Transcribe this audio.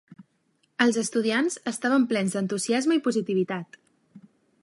Els estudiants estaven plens d'entusiasme i positivitat.